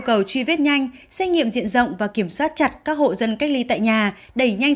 cầu truy vết nhanh xét nghiệm diện rộng và kiểm soát chặt các hộ dân cách ly tại nhà đẩy nhanh